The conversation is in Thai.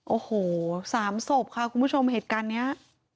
โอ้โห๓ศพค่ะคุณผู้ชมเหตุการณ์นี้